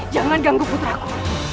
jangan ganggu putraku